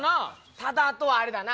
ただあとはあれだな。